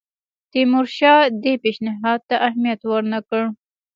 تیمورشاه دې پېشنهاد ته اهمیت ورنه کړ.